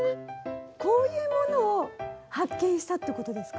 こういうものを発見したってことですか？